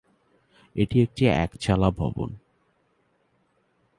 এটি একটি এক চালা ভবন।